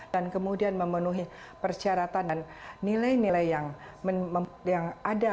dan kemudian memenuhi persyaratan dan nilai nilai yang ada kriteria yang ada